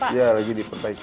iya lagi diperbaiki